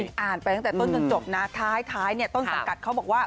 เอาจริงอ่านไปตั้งแต่ต้นจนจบนะท้ายต้นสังกัดเขาบอกว่า